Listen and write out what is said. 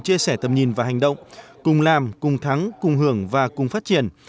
chia sẻ tầm nhìn và hành động cùng làm cùng thắng cùng hưởng và cùng phát triển